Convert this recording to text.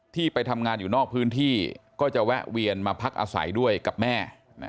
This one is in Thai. ไปทำงานอยู่นอกพื้นที่ก็จะแวะเวียนมาพักอาศัยด้วยกับแม่